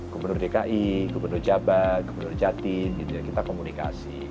gubernur dki gubernur jabat gubernur jatim gitu ya kita komunikasi